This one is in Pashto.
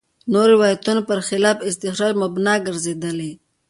نورو روایتونو برخلاف استخراج مبنا ګرځېدلي.